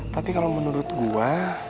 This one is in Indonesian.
tapi kalau menurut gue